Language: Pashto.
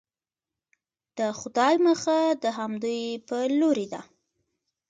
د خدای مخه د همدوی په لورې ده.